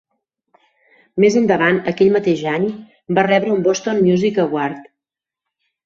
Més endavant, aquell mateix any va rebre un Boston Music Award.